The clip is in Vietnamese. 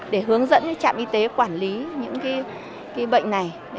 để hướng dẫn cho trạm y tế quản lý những cái bệnh này